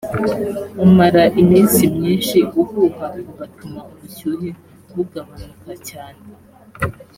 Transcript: umara iminsi myinshi uhuha ugatuma ubushyuhe bugabanuka cyane